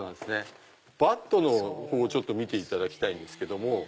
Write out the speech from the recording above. バットの方を見ていただきたいんですけども。